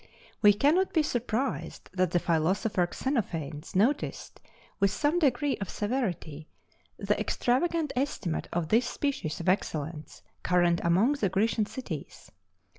We cannot be surprised that the philosopher Xenophanes noticed, with some degree of severity, the extravagant estimate of this species of excellence, current among the Grecian cities.